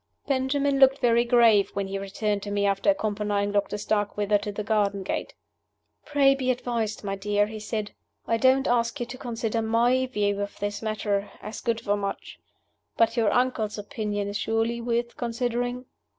Benjamin looked very grave when he returned to me after accompanying Doctor Starkweather to the garden gate. "Pray be advised, my dear," he said. "I don't ask you to consider my view of this matter, as good for much. But your uncle's opinion is surely worth considering?"